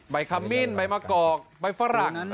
ไบคามินไบมะกอกไบฟรัง